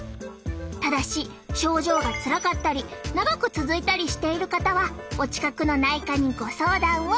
ただし症状がつらかったり長く続いたりしている方はお近くの内科にご相談を！